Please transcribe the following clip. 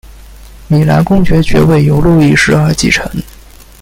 米兰公爵爵位由路易十二继承。